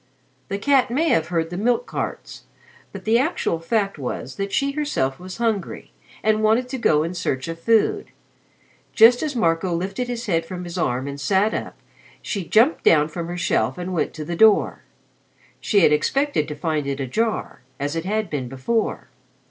The cat may have heard the milk carts, but the actual fact was that she herself was hungry and wanted to go in search of food. Just as Marco lifted his head from his arm and sat up, she jumped down from her shelf and went to the door. She had expected to find it ajar as it had been before.